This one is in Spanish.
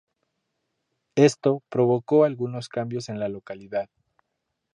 Esto, provocó algunos cambios en la localidad.